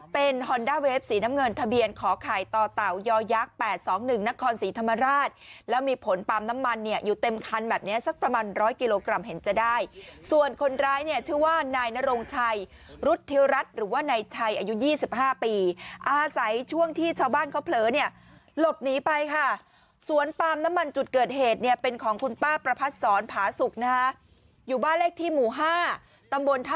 ปั๊มน้ำมันเนี้ยอยู่เต็มคันแบบเนี้ยสักประมาณร้อยกิโลกรัมเห็นจะได้ส่วนคนร้ายเนี้ยชื่อว่านายนโรงชัยรุธิรัติหรือว่านายชัยอายุยี่สิบห้าปีอาศัยช่วงที่ชาวบ้านเขาเผลอเนี้ยหลบหนีไปค่ะสวนปั๊มน้ำมันจุดเกิดเหตุเนี้ยเป็นของคุณป้าประพัดศรผาสุกนะฮะอยู่บ้านเลขที่หมู่ห้าต